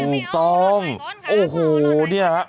ถูกต้องโอ้โหนะคะ